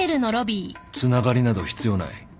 つながりなど必要ない。